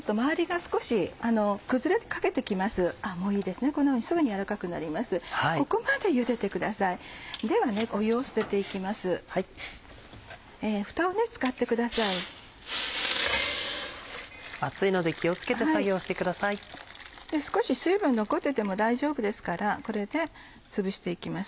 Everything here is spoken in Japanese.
少し水分残ってても大丈夫ですからこれでつぶして行きます。